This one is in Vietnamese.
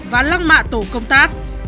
và lăng mạ tổ công tác